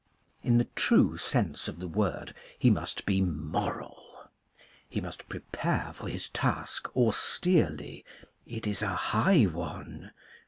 In the true sense of the word he must be moral. He must prepare for his task austerely: it is a high one.